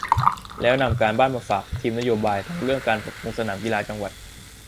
แล้วนำการบ้านมาฝากทีมนโยบาย ทั้งเรื่องการปรับปรุงสนามกีฬาจังหวัด